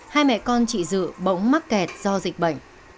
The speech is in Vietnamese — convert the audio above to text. hai mẹ con chị dự bỗng mắc kẹt do dịch bệnh